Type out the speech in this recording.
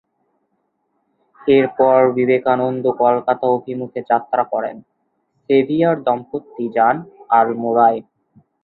এরপর বিবেকানন্দ কলকাতা অভিমুখে যাত্রা করেন, সেভিয়ার-দম্পতি যান আলমোড়ায়।